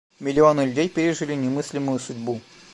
Миллионы людей пережили немыслимую судьбу.